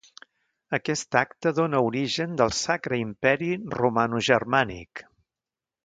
Aquest acte dóna origen del Sacre Imperi Romanogermànic.